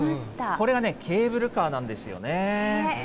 これがね、ケーブルカーなんですよね。